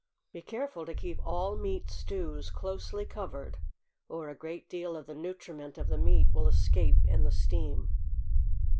Be careful to keep all meat stews closely covered, or a great deal of the nutriment of the meat will escape in the steam.